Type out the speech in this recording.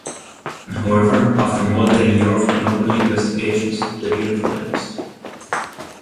However, after more than a year of monopoly investigations the deal collapsed.